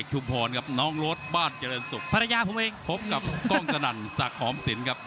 หมดยกที่หนึ่ง